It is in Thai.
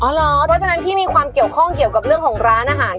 เพราะฉะนั้นพี่มีความเกี่ยวข้องเกี่ยวกับเรื่องของร้านอาหาร